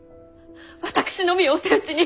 私のみをお手討ちに！